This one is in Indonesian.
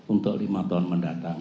untuk lima tahun mendatang